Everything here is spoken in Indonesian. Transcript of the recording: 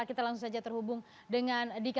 kita langsung saja terhubung dengan dika